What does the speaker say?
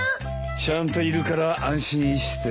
ちゃんといるから安心して。